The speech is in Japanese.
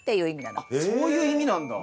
あっそういう意味なんだ。